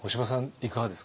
いかがですか？